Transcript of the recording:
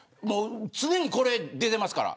常にこれ出ていますから。